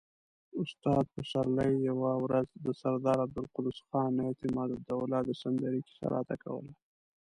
استاد پسرلي يوه ورځ د سردار عبدالقدوس خان اعتمادالدوله د سندرې کيسه راته کوله.